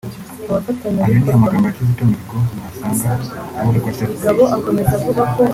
Ayo ni amagambo ya Kizito Mihigo mwasanga ku rubuga rwa Facebook